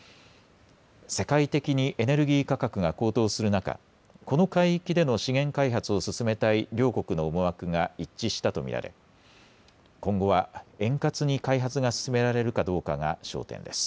世界的にエネルギー価格が高騰する中、この海域での資源開発を進めたい両国の思惑が一致したと見られ今後は円滑に開発が進められるかどうかが焦点です。